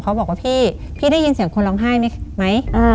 เขาบอกว่าพี่พี่ได้ยินเสียงคนร้องไห้ไหม